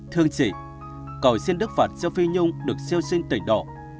thương chị cậu xin đức phật cho phi nhung được siêu sinh tỉnh độ